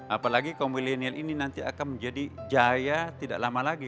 apalagi kaum milenial ini nanti akan menjadi jaya tidak lama lagi